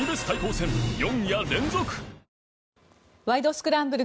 スクランブル」